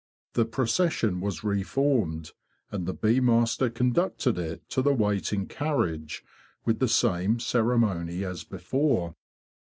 The procession was re formed, and the bee master conducted it to the waiting carriage, with the same ceremony as before.